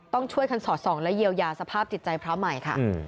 ต้องช่วยกันสอดส่องและเยียวยาสภาพจิตใจพระใหม่ค่ะ